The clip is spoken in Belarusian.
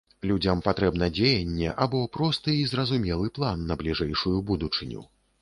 Людзям патрэбна дзеянне альбо просты і зразумелы план на бліжэйшую будучыню.